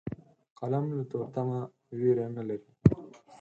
قلم له تورتمه ویره نه لري